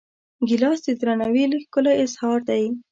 ګیلاس د درناوي ښکلی اظهار دی.